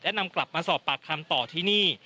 นำกลับมาสอบปากคำต่อที่นี่